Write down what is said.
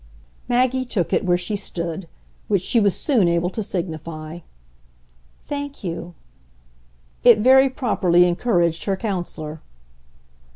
Maggie took it where she stood which she was soon able to signify. "Thank you." It very properly encouraged her counsellor.